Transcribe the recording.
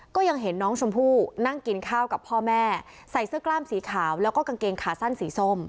ก็ยังเห็นน้องชมพู่นั่งกินข้าวกับพ่อแม่ใส่เสื้อกล้ามสีขาวแล้วก็กางเกงขาสั้นสีส้ม